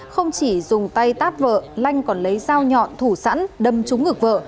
không chỉ dùng tay tát vợ lanh còn lấy dao nhọn thủ sẵn đâm trúng ngược vợ